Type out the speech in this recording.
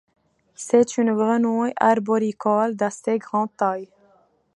C'est une grenouille arboricole d'assez grande taille.